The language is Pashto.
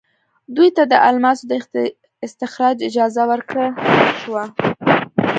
دوی ته د الماسو د استخراج اجازه ورکړل شوه.